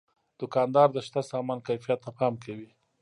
دوکاندار د شته سامان کیفیت ته پام کوي.